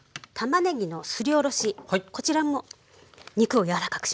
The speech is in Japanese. こちらも肉を柔らかくします。